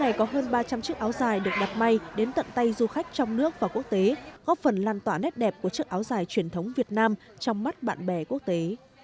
áo dài được đặt may đến tận tay du khách trong nước và quốc tế góp phần lan tỏa nét đẹp của chiếc áo dài truyền thống việt nam trong mắt bạn bè quốc tế